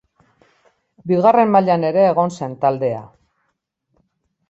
Bigarren mailan ere egon zen taldea.